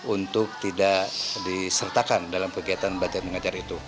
untuk tidak disertakan dalam kegiatan belajar mengajar itu